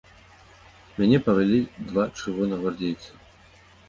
Мяне павялі два чырвонагвардзейцы.